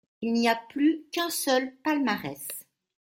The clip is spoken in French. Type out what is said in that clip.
Il n’y a plus qu’un seul palmarès.